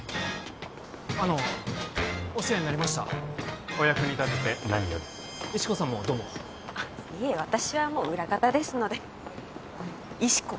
あのお世話になりましたお役に立てて何より石子さんもどうもあっいえ私はもう裏方ですので石子？